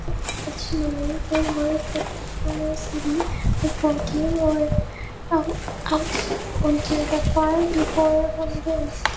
Additionally, they march the varsity football team out onto the field before home games.